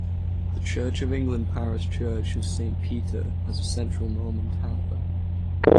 The Church of England parish church of Saint Peter has a central Norman tower.